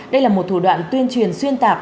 đây là một thủ đoạn tuyên truyền xuyên tạc